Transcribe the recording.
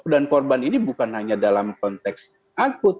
dan korban ini bukan hanya dalam konteks akut